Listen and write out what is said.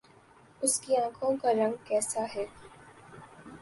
اس کی آنکھوں کا رنگ کیسا ہے